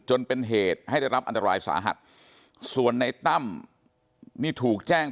จนเป็นเหตุให้ได้รับอันตรายสาหัสส่วนในตั้มนี่ถูกแจ้ง